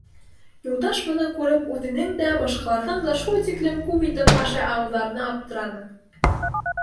Юлдаш быны күреп үҙенең дә, башҡаларҙың да шул тиклем күп ит ашай алыуҙарына аптыраны.